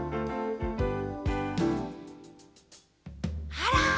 あら！